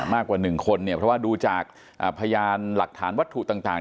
มากกว่า๑คนเนี่ยเพราะว่าดูจากพยานหลักฐานวัตถุต่าง